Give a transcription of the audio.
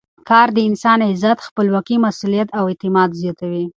کار د انسان عزت، خپلواکي، مسؤلیت او اعتماد زیاتوي.